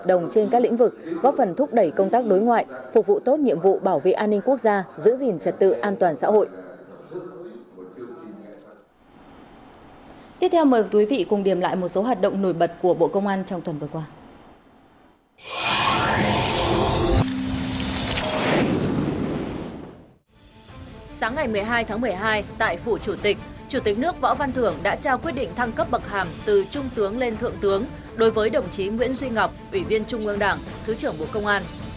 sáng ngày một mươi hai tháng một mươi hai tại phủ chủ tịch chủ tịch nước võ văn thưởng đã trao quyết định thăng cấp bậc hàm từ trung tướng lên thượng tướng đối với đồng chí nguyễn duy ngọc ủy viên trung ương đảng thứ trưởng bộ công an